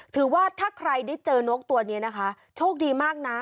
ถือว่าถ้าใครได้เจอนกตัวนี้นะคะโชคดีมากนะ